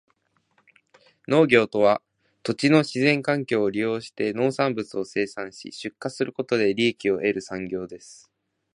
農業とは、土地の自然環境を利用して農産物を生産し、出荷することで利益を得る産業です。